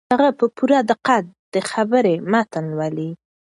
هغه په پوره دقت د خبر متن لولي.